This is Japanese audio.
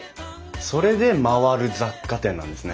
それで「まわる雑貨店」なんですね。